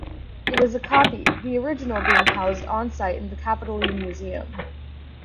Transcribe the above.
It is a copy, the original being housed on-site in the Capitoline museum.